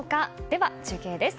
では中継です。